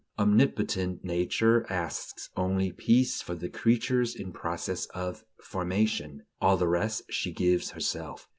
Omnipotent Nature asks only peace for the creature in process of formation. All the rest she gives herself.